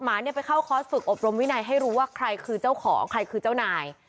หมาเนี่ยไปเข้าคอร์สฝึกอบรมวินัยให้รู้ว่าใครคือเจ้าของใครคือเจ้านาย